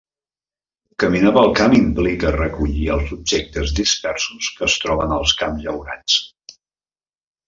Caminar pel camp implica recollir els objectes dispersos que es troben als camps llaurats.